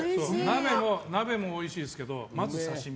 鍋もおいしいですけどまず刺し身。